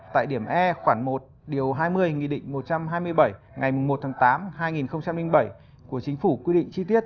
tại điểm e khoảng một điều hai mươi nghị định một trăm hai mươi bảy ngày một tháng tám hai nghìn bảy của chính phủ quy định chi tiết